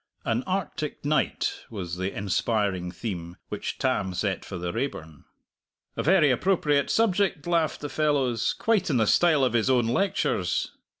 "An Arctic Night" was the inspiring theme which Tam set for the Raeburn. "A very appropriate subject!" laughed the fellows; "quite in the style of his own lectures."